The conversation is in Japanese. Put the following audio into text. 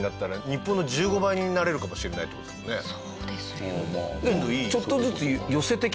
そうですよ。